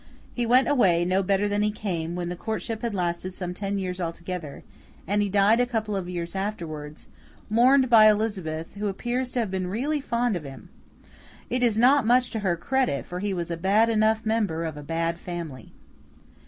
He went away, no better than he came, when the courtship had lasted some ten years altogether; and he died a couple of years afterwards, mourned by Elizabeth, who appears to have been really fond of him. It is not much to her credit, for he was a bad enough member of a bad family.